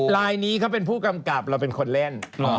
ลายนี้เขาเป็นผู้กำกับเราเป็นคนเล่น